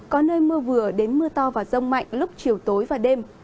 có nơi mưa vừa đến mưa to và rông mạnh lúc chiều tối và đêm